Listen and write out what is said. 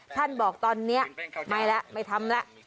ท่านบอกตอนนี้ไม่แล้วไม่ทำแล้ว